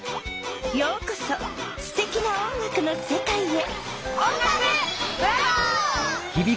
ようこそすてきな音楽のせかいへ！